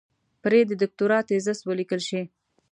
پرې د دوکتورا تېزس وليکل شي.